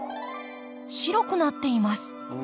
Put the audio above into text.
白くなっています。